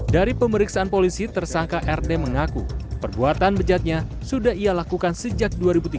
dari pemeriksaan polisi tersangka rd mengaku perbuatan bejatnya sudah ia lakukan sejak dua ribu tiga belas